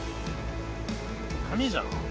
紙じゃん。